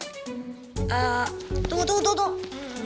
eh tunggu tunggu tunggu